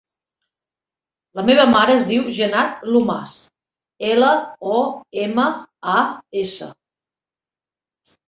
La meva mare es diu Janat Lomas: ela, o, ema, a, essa.